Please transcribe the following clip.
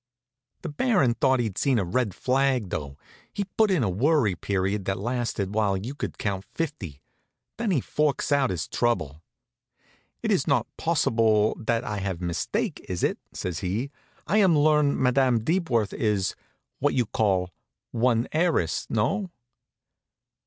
The Baron thought he'd seen a red flag, though. He put in a worry period that lasted while you could count fifty. Then he forks out his trouble. "It is not possible that I have mistake, is it?" says he. "I am learn that Madam Deepworth is what you call one heiress? No?"